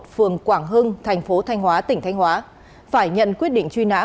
phường quảng hưng thành phố thanh hóa tỉnh thanh hóa phải nhận quyết định truy nã